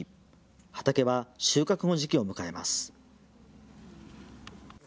畑は収穫の時期を迎えます。